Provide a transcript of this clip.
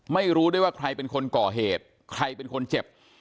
ไม่รู้ได้ว่าใครเป็นคนก่อเหตุใครเป็นคนเจ็บ